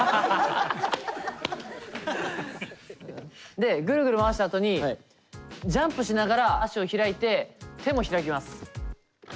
でぐるぐる回したあとにジャンプしながら足を開いて手も開きます。